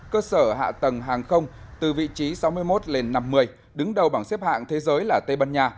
cơ sở hạ tầng hàng không từ vị trí sáu mươi một lên năm mươi đứng đầu bảng xếp hạng thế giới là tây ban nha